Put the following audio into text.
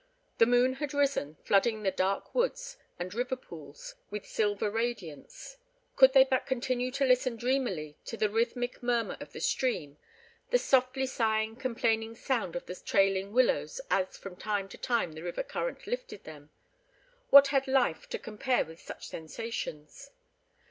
The moon had risen, flooding the dark woods and river pools with silver radiance. Could they but continue to listen dreamily to the rhythmic murmur of the stream, the softly sighing, complaining sound of the trailing willows as from time to time the river current lifted them—what had life to compare with such sensations?